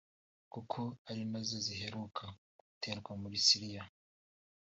kuko ari nazo ziheruka guterwa muri Syria